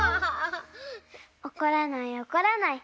おこらないおこらない。